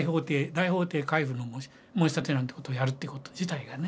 大法廷回付の申立なんてことをやるってこと自体がね。